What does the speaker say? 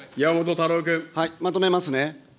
まとめますね。